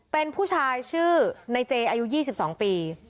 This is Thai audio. เป็นผู้ชายชื่อในเจอายุ๒๒ปี